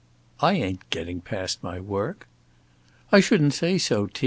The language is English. "I ain't getting past my work." "I shouldn't say so, T.